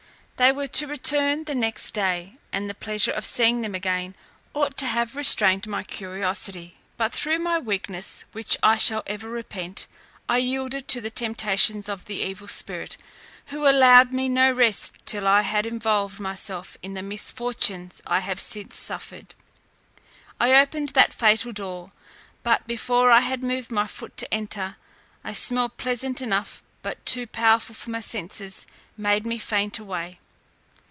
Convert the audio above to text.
They were to return the next day, and the pleasure of seeing them again ought to have restrained my curiosity: but through my weakness, which I shall ever repent, I yielded to the temptations of the evil spirit, who allowed me no rest till I had involved myself in the misfortunes I have since suffered. I opened that fatal door! But before I had moved my foot to enter, a smell pleasant enough, but too powerful for my senses, made me faint away.